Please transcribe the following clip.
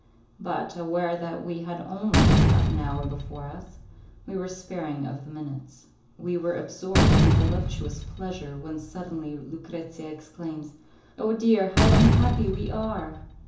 But, aware that we had only half an hour before us, we were sparing of the minutes. We were absorbed in voluptuous pleasure when suddenly Lucrezia exclaims, "Oh! dear, how unhappy we are!"